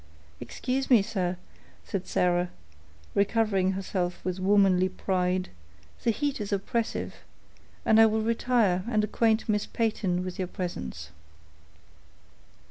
"Excuse me, sir," said Sarah, recovering herself with womanly pride; "the heat is oppressive, and I will retire and acquaint Miss Peyton with your presence."